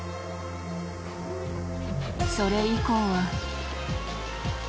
［それ以降は］